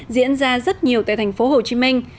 diễn ra rất nhiều tại thành phố hồ chí minh